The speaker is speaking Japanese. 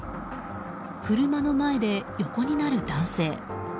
車の前で横になる男性。